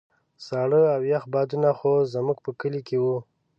ساړه او يخ بادونه خو زموږ په کلي کې وو.